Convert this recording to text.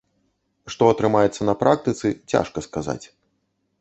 Што атрымаецца на практыцы, цяжка сказаць.